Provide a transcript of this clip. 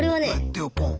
手をポン。